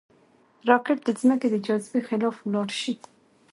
راکټ د ځمکې د جاذبې خلاف ولاړ شي